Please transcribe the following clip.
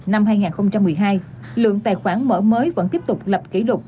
năm hai nghìn một mươi hai lượng tài khoản mở mới vẫn tiếp tục lập kỷ lục